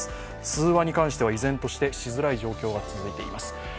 通話に関しては依然としてしづらい状況になっています。